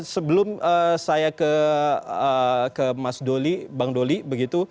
sebelum saya ke mas doli bang doli begitu